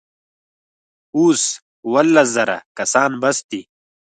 اوس اوولس زره کسان بس دي.